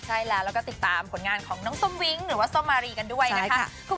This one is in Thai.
ใช่แล้วแล้วก็ติดตามผลงานของน้องส้มวิ้งหรือว่าส้มมารีกันด้วยนะคะ